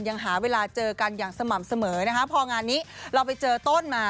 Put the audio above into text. ยังหาเวลาเจอกันอย่างสม่ำเสมอนะคะพองานนี้เราไปเจอต้นมา